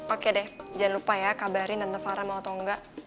oke deh jangan lupa ya kabarin dan the farah mau atau enggak